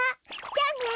じゃあね。